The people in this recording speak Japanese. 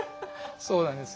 そうなんですね。